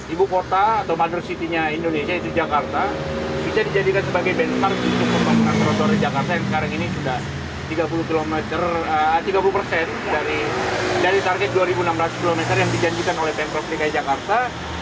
ibu kota atau mother city nya indonesia yaitu jakarta bisa dijadikan sebagai benchmark untuk pembangunan trotoar di jakarta yang sekarang ini sudah tiga puluh dari target dua enam ratus km yang dijanjikan oleh pemprov dki jakarta